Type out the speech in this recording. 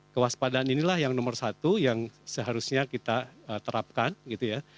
kewaspadaan inilah yang nomor satu yang seharusnya kita terapkan gitu ya